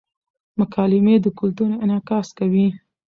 مکالمې د کلتور انعکاس کوي.